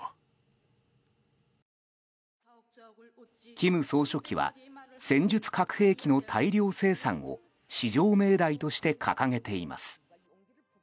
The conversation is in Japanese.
金総書記は戦術核兵器の大量生産を至上命題として掲げています。